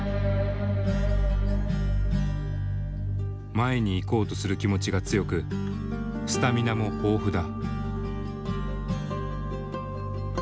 前に行こうとする気持ちが強くスタミナも豊富だ。